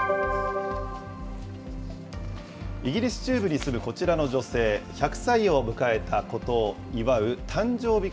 イギリス中部に住むこちらの女性、１００歳を迎えたことを祝う誕生日